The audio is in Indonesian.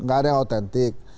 gak ada yang otentik